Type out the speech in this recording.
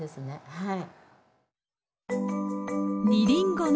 はい。